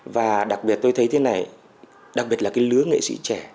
và đặc biệt tôi thấy thế này đặc biệt là cái lứa nghệ sĩ trẻ